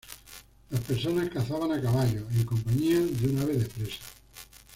Las personas cazaban a caballo, en compañía de un ave de presa.